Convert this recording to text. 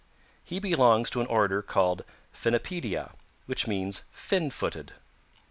He belongs to an order called Finnipedia, which means fin footed.